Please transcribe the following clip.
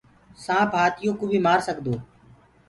سآنٚپ هآتِيوڪو بي مآرسگدوئي